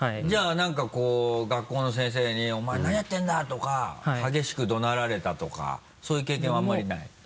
じゃあ何かこう学校の先生に「お前何やってるんだ！」とか激しく怒鳴られたとかそういう経験はあんまりない？